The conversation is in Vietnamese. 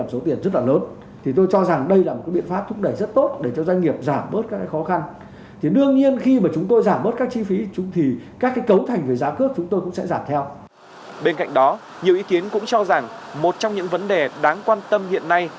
bên cạnh đó nhiều ý kiến cũng cho rằng một trong những vấn đề đáng quan tâm hiện nay